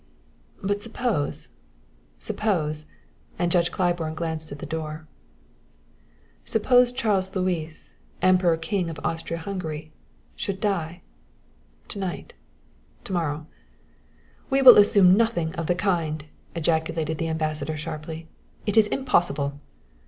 "But suppose suppose," and Judge Claiborne glanced at the door, "suppose Charles Louis, Emperor king of Austria Hungary, should die to night to morrow " "We will assume nothing of the kind!" ejaculated the Ambassador sharply. "It is impossible."